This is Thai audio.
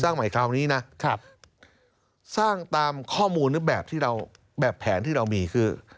ใหม่คราวนี้นะครับสร้างตามข้อมูลหรือแบบที่เราแบบแผนที่เรามีคือ